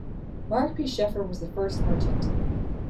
Mark P. Sheffer was the first merchant.